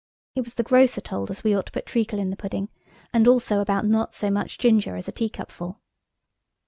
It was the grocer told us we ought to put treacle in the pudding, and also about not so much ginger as a teacupful.